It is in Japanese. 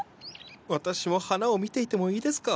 私も花を見ていてもいいですか？